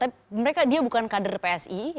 tapi mereka dia bukan kader psi